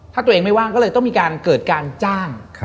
ถ้าตัวเองไม่ว่างก็เลยต้องมีการเกิดการจ้าง